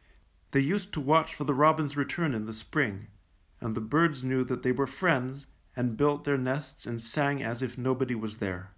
'^ They used to watch for the robins' return in the spring, and the birds knew that they were friends, and built their nests and sang as if nobody was there.